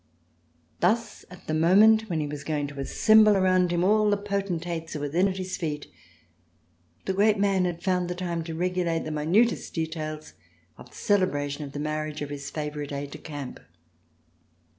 Thus at the moment when he was going to assemble around him all the potentates who were then at his feet, the great man had found the time to regulate the minutest details of the celebration of the marriage of his favorite aide de camp.